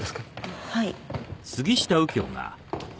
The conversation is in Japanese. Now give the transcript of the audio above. はい。